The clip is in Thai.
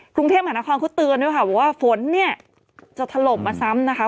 กรุงเทพฯหันครคุณเตือนด้วยค่ะว่าฝนเนี้ยจะถลบมาซ้ำนะคะ